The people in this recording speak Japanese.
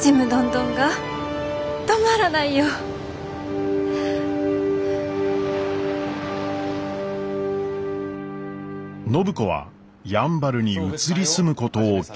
暢子はやんばるに移り住むことを決意しました。